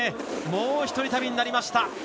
もう１人旅になりました。